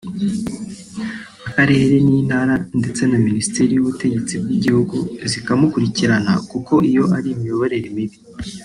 akarere n’Intara ndetse na Minisiteri y’Ubutegetsi bw’igihugu zikamukurikirana kuko iyo ari imiyoborere mibi”